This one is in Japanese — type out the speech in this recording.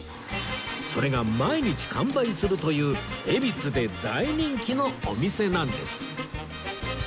それが毎日完売するという恵比寿で大人気のお店なんです